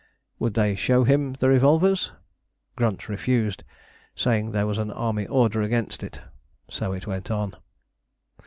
Would they show him the revolvers? Grunt refused, saying there was an army order against it. So it went on.